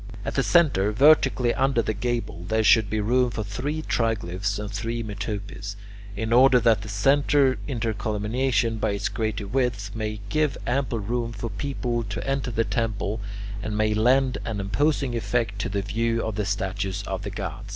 At the centre, vertically under the gable, there should be room for three triglyphs and three metopes, in order that the centre intercolumniation, by its greater width, may give ample room for people to enter the temple, and may lend an imposing effect to the view of the statues of the gods.